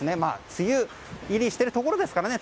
梅雨入りしているところですからね。